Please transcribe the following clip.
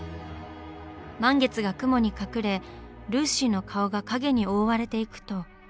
満月が雲に隠れルーシーの顔が影に覆われていくと。